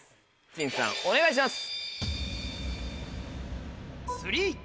陣さんお願いします！